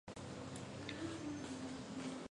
似锥低颈吸虫为棘口科低颈属的动物。